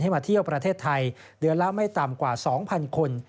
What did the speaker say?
มาเที่ยวประเทศไทยเดือนละไม่ต่ำกว่า๒๐๐คน